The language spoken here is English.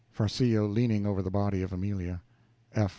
(Farcillo leaning over the body of Amelia.)